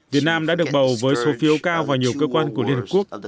việt nam đã được bầu với số phiếu cao và nhiều cơ quan của liên hợp quốc